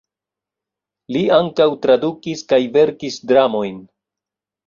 Li ankaŭ tradukis kaj verkis dramojn.